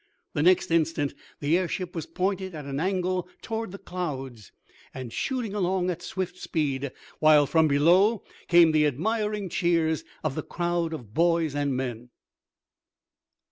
The next instant the airship was pointed at an angle toward the clouds, and shooting along at swift speed, while, from below came the admiring cheers of the crowd of boys and men.